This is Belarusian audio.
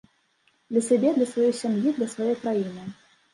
Для сябе, для сваёй сям'і, для сваёй краіны.